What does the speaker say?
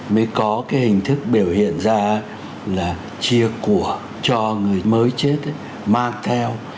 mới có cái hình thức biểu hiện ra là chia của cho người mới chết mang theo